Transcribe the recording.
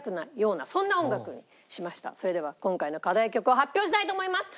それでは今回の課題曲を発表したいと思います。